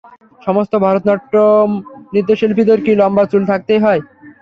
সমস্ত ভারতনাট্যম নৃত্যশিল্পীদের কি লম্বা চুল থাকতেই হয়?